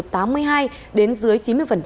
từ tám mươi hai đến dưới chín mươi